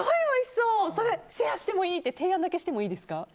それ、シェアしてもいい？って提案だけしてもいいですか？